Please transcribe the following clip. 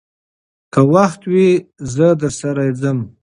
که وخت وي، زه درسره ځم.